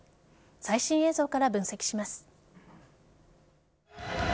最新映像から分析します。